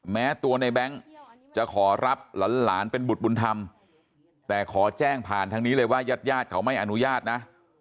แม้ตัวในแบงค์จะขอรับหลานเป็นบุตรบุญธรรมแต่ขอแจ้งผ่านทางนี้เลยว่ายาดเขาไม่อนุญาตนะ